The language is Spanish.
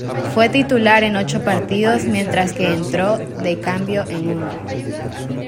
Fue titular en ocho partidos mientras que entró de cambio en uno.